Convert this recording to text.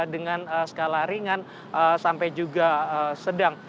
dengan skala ringan sampai juga sedang